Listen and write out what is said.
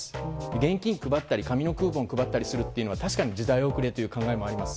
現金を配ったり紙のクーポンを配るのは確かに時代遅れだという考えもあります。